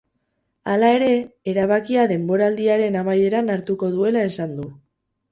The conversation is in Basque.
Hala ere, erabakia denboraldiaren amaieran hartuko duela esan du.